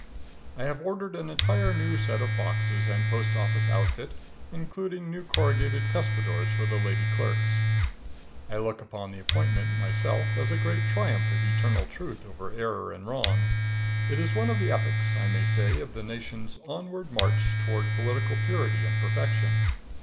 I have ordered an entirely new set of boxes and postoffice outfit, including new corrugated cuspidors for the lady clerks. I look upon the appointment, myself, as a great triumph of eternal truth over error and wrong. It is one of the epochs, I may say, in the Nation's onward march toward political purity and perfection.